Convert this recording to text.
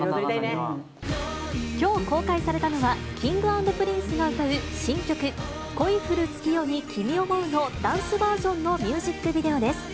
きょう公開されたのは、Ｋｉｎｇ＆Ｐｒｉｎｃｅが歌う新曲、恋降る月夜に君想ふのダンスバージョンのミュージックビデオです。